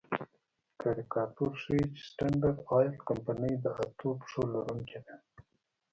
کاریکاتور ښيي چې سټنډرډ آیل کمپنۍ د اتو پښو لرونکې ده.